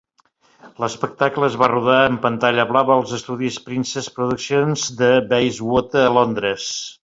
L'espectacle es va rodar en pantalla blava als estudis Princess Productions de Bayswater a Londres.